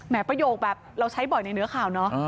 ประโยคแบบเราใช้บ่อยในเนื้อข่าวเนอะ